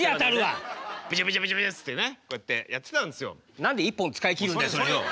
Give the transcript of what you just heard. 何で１本使い切るんだよそれを！